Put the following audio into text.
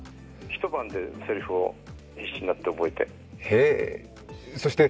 一晩でせりふを必死になって覚えて。